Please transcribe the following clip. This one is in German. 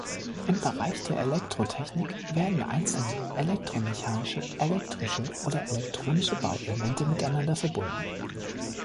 Im Bereich der Elektrotechnik werden einzelne elektromechanische, elektrische oder elektronische Bauelemente miteinander verbunden.